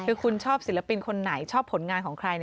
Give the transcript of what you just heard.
คือคุณชอบศิลปินคนไหนชอบผลงานของใคร